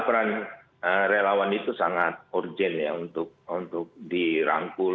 peran relawan itu sangat urgent ya untuk dirangkul